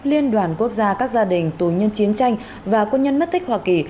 liên đoàn quốc gia các gia đình tù nhân chiến tranh và quân nhân mất tích hoa kỳ